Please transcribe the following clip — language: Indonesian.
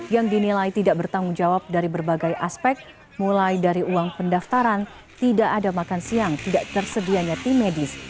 yang dinilai tidak bertanggung jawab dari berbagai aspek mulai dari uang pendaftaran tidak ada makan siang tidak tersedianya tim medis